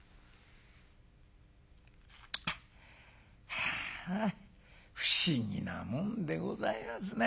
「はあ不思議なもんでございますな。